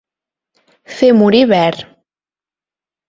Fer morir verd.